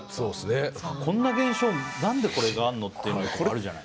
こんな現象何でこれがあるの？というのがあるじゃない。